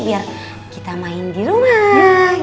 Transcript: biar kita main di rumah